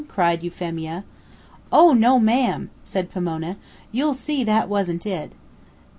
cried Euphemia. "Oh no, ma'am!" said Pomona. "You'll see that that wasn't it.